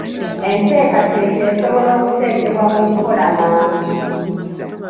Enteekateeka esobola okuteekebwa mu nkola mangu.